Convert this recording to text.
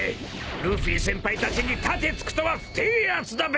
［ルフィ先輩たちに盾突くとは太えやつだべ］